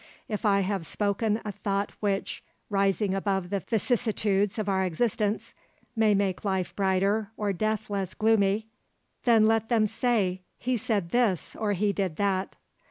If I have spoken a thought which, rising above the vicissitudes of our existence, may make life brighter or death less gloomy, then let them say, 'He said this or he did that.'